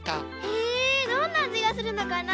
へぇどんなあじがするのかな？